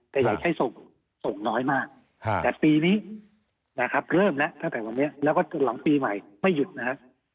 แต่อย่าใช้ศูนย์น้อยมากแต่ปีนี้นะครับเริ่มละถ้าวันนี้แล้วก็ก็หลังปีใหม่ไม่หยุดนะครับ